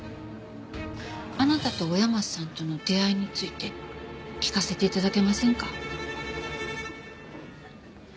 あなたと親松さんとの出会いについて聞かせて頂けませんか？